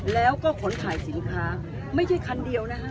แล้วก็ขนขายสินค้าไม่ใช่คันเดียวนะคะ